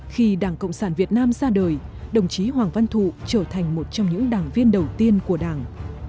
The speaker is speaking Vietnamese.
khi đảng cộng sản việt nam ra đời đồng chí hoàng văn thụ trở thành một trong những đảng viên đầu tiên của đảng